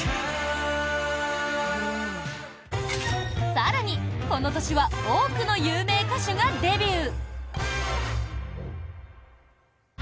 更に、この年は多くの有名歌手がデビュー。